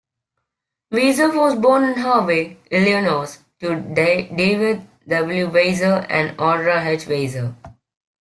Weiser was born in Harvey, Illinois to David W. Weiser and Audra H. Weiser.